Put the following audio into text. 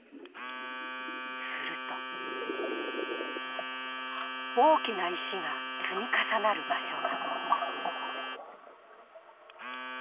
すると、大きな石が積み重なる場所が。